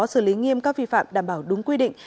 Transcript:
xử lý nghiêm các vi phạm đảm bảo đúng quy định